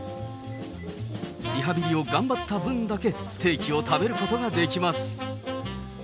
リハビリを頑張った分だけ、ステーキを食べることができます。